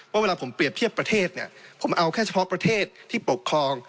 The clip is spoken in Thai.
เวลาผมเปรียบเทียบประเทศเนี่ยผมเอาแค่เฉพาะประเทศที่ปกครอง